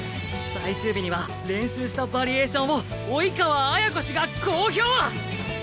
「最終日には練習したバリエーションを生川綾子氏が講評」！